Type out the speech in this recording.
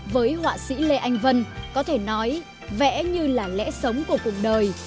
với họa sĩ lê anh vân có thể nói vẽ như là lẽ sống của cuộc đời